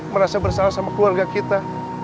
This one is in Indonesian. merasa bersalah sama keluarga kita